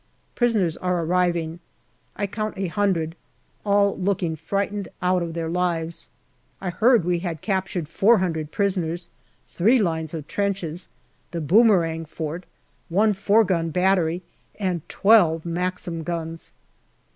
Prisoners are arriving. I count a hundred, all looking frightened out of their lives ; I heard we had captured four hundred prisoners, three lines of trenches, the Boomerang Fort, one four gun battery, and twelve Maxim guns.